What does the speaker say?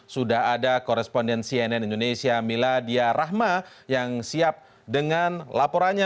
sudah ada koresponden cnn indonesia miladia rahma yang siap dengan laporannya